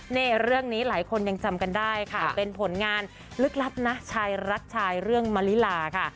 นี่เรื่องนี้หลายคนยังจำกันได้ค่ะเป็นผลงานลึกลับนะชายรักชายเรื่องมะลิลาค่ะ